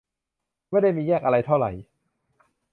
ไม่ได้มีแยกอะไรเท่าไหร่